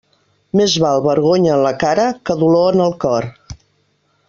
Més val vergonya en la cara que dolor en el cor.